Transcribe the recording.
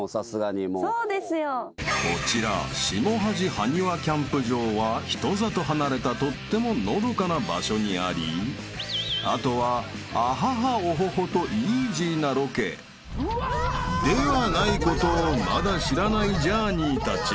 ［こちらしもはじ埴輪キャンプ場は人里離れたとってものどかな場所にありあとはアハハオホホとイージーなロケではないことをまだ知らないジャーニーたち］